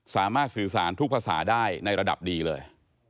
สามารถสื่อสารทุกภาษาได้ในระดับดีเลย